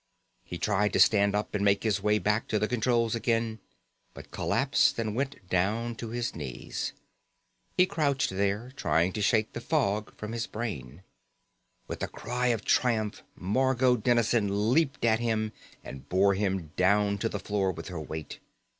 He tried to stand up and make his way back to the controls again, but collapsed and went down to his knees. He crouched there, trying to shake the fog from his brain. With a cry of triumph, Margot Dennison leaped at him and bore him down to the floor with her weight.